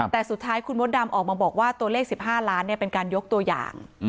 แต่สุดท้ายคุณมดดำออกมาบอกว่าตัวเลข๑๕ล้านเป็นการยกตัวอย่าง